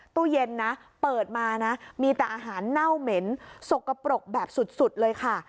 ตู้เย็นนะเปิดมานะมีแต่อาหารเน่าเหม็นสกปรกแบบสุดเลยค่ะ